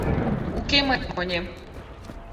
Уке мыйын гармонем.